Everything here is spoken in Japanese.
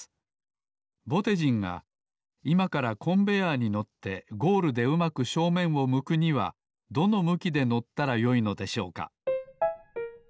ぼてじんがいまからコンベアーに乗ってゴールでうまく正面を向くにはどの向きで乗ったらよいのでしょうか？